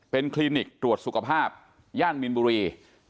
เป็นคลินิกตรวจสุขภาพย่านมินบุรี